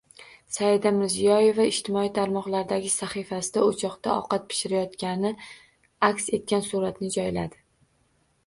Saida Mirziyoyeva ijtimoiy tarmoqlardagi sahifasida o‘choqda ovqat pishirayotgani aks etgan suratni joyladi